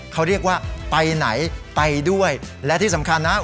เขาเรียกว่าไปไหนไปด้วยและที่สำคัญนะ